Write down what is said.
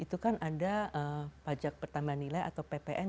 itu kan ada pajak pertambahan nilai atau ppn